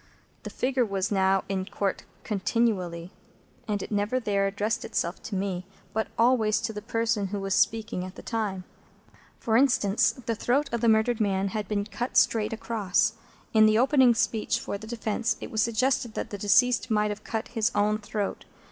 The figure was now in Court continually, and it never there addressed itself to me, but always to the person who was speaking at the time. For instance: the throat of the murdered man had been cut straight across. In the opening speech for the defence, it was suggested that the deceased might have cut his own throat.